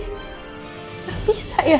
gak bisa ya